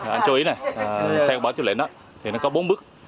anh chú ý này theo bảo chức lệnh đó thì nó có bốn bước